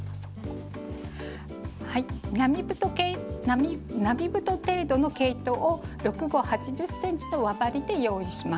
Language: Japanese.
並太程度の毛糸を６号８０ｃｍの輪針で用意します。